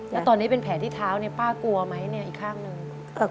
แล้วตอนนี้เป็นแผลที่เท้าเนี่ยป้ากลัวไหมเนี่ยอีกข้างหนึ่ง